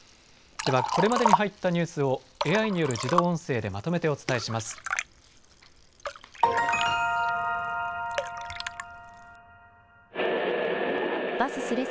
ではこれまでに入ったニュースをＡＩによる自動音声でまとめてお伝えします。